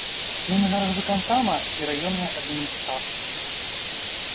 Мінгарвыканкама і раённай адміністрацыі.